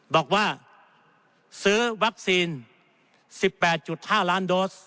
บอกว่าซื้อวัคซีน๑๘๕ล้านโดส